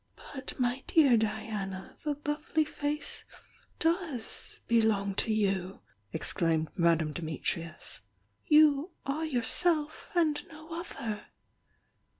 "But my dear Diana, the lovely face does bplnnir to you " exclaimed Madame DimitrTus. « Youi^f yourself, and no other!"